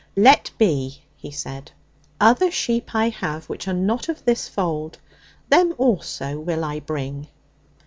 'Let be,' he said. '"Other sheep I have which are not of this fold. Them also will I bring."